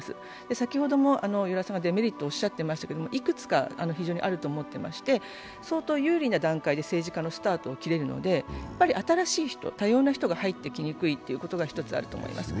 先ほども与良さんがデメリットをおっしゃっていましたけれどもいくつか非常にあると思っていまして、相当有利な段階で政治家のスタートを切れるので、新しい人、多様な人が入ってきにくいというのがあると思います。